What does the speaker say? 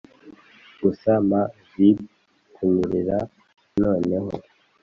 gusa mpa vibe kunyerera noneho